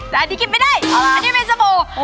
แต่อันนี้กินไม่ได้อันนี้เป็นสบู่